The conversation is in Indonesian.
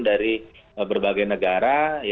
dari berbagai negara